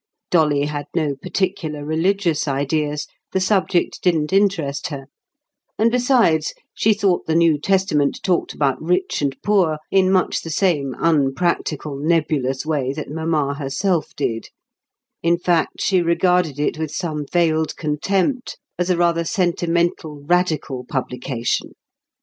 Dolly had no particular religious ideas; the subject didn't interest her; and besides, she thought the New Testament talked about rich and poor in much the same unpractical nebulous way that mamma herself did—in fact, she regarded it with some veiled contempt as a rather sentimental radical publication.